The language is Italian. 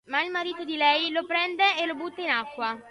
Ma il marito di lei lo prende e lo butta in acqua.